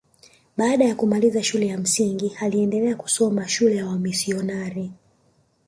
Baada ya kumaliza shule ya msingi aliendelea kusoma shule ya wamisionari